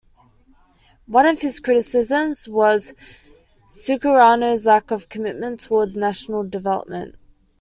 One of his criticisms was Sukarno's lack of commitment towards national development.